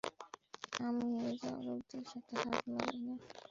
আমি হেরে যাওয়া লোকদের সাথে, হাত মেলাই না।